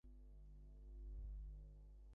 Mute হয়ে আছো, Jerry?